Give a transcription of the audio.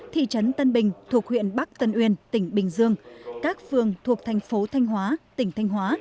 thị trấn tân bình thuộc huyện bắc tân uyên tỉnh bình dương các phương thuộc thành phố thanh hóa tỉnh thanh hóa